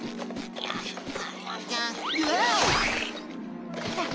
よっ！